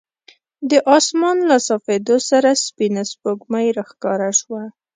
د اسمان له صافېدو سره سپینه سپوږمۍ راښکاره شوه.